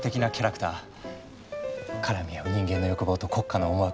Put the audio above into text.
絡み合う人間の欲望と国家の思惑。